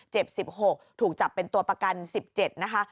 ๑๖ถูกจับเป็นตัวประกัน๑๗นะคะ